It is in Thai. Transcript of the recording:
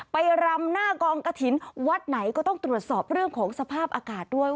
รำหน้ากองกระถิ่นวัดไหนก็ต้องตรวจสอบเรื่องของสภาพอากาศด้วย